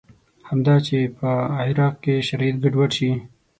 همدا چې په عراق کې شرایط ګډوډ شي.